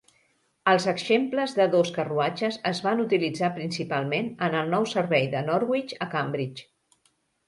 Els exemples de dos carruatges es van utilitzar principalment en el nou servei de Norwich a Cambridge.